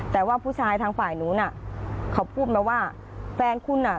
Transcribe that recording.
แต่ว่าผู้ชายทางฝ่ายนู้นน่ะเขาพูดมาว่าแฟนคุณอ่ะ